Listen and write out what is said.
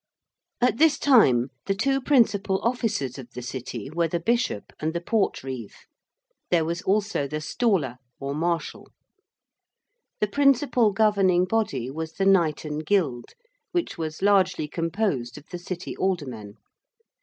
_)] At this time the two principal officers of the City were the Bishop and the Portreeve: there was also the 'Staller' or Marshal. The principal governing body was the 'Knighten Guild,' which was largely composed of the City aldermen.